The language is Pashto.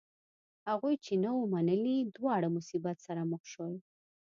هغوی چې نه و منلی دواړه مصیبت سره مخ شول.